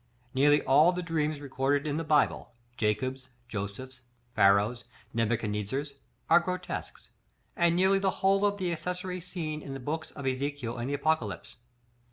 Nearly all the dreams recorded in the Bible, Jacob's, Joseph's, Pharaoh's, Nebuchadnezzar's, are grotesques; and nearly the whole of the accessary scenery in the books of Ezekiel and the Apocalypse.